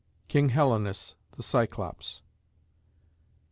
KING HELENUS THE CYCLOPS.